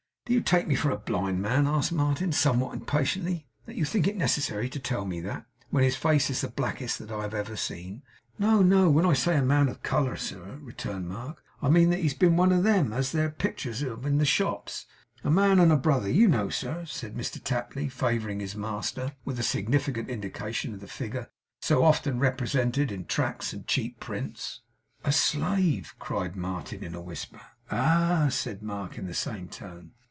'Do you take me for a blind man,' asked Martin, somewhat impatiently, 'that you think it necessary to tell me that, when his face is the blackest that ever was seen?' 'No, no; when I say a man of colour,' returned Mark, 'I mean that he's been one of them as there's picters of in the shops. A man and a brother, you know, sir,' said Mr Tapley, favouring his master with a significant indication of the figure so often represented in tracts and cheap prints. 'A slave!' cried Martin, in a whisper. 'Ah!' said Mark in the same tone.